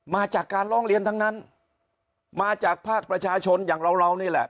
มาจากการร้องเรียนทั้งนั้นมาจากภาคประชาชนอย่างเราเรานี่แหละ